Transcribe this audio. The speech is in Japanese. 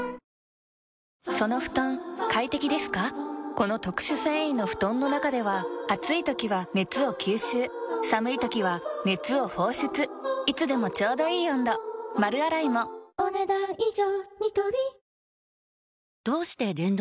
この特殊繊維の布団の中では暑い時は熱を吸収寒い時は熱を放出いつでもちょうどいい温度丸洗いもお、ねだん以上。